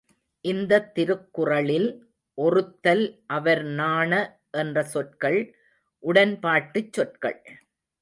இந்தத் திருக்குறளில் ஒறுத்தல் அவர்நாண என்ற சொற்கள் உடன் பாட்டுச் சொற்கள்.